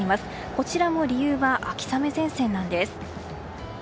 こちらも理由は秋雨前線なんです。